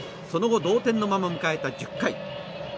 その後、同点のまま迎えた１０回。